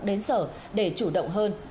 đến sở để chủ động hơn